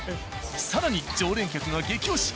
更に、常連客が激推し。